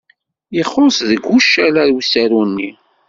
Ixuṣṣ deg ucala usaru-nni.